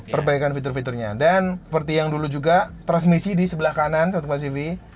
perbaikan fitur fiturnya dan seperti yang dulu juga transmisi di sebelah kanan satu mbak sivi